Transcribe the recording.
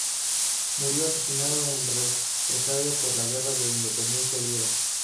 Murió asesinado en represalia por la guerra de independencia griega.